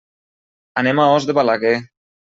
Anem a Os de Balaguer.